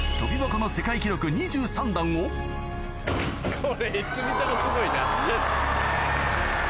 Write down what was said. これいつ見てもすごいな。